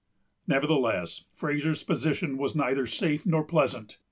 Nevertheless, Fraser's position was neither safe nor pleasant.